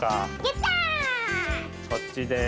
こっちです。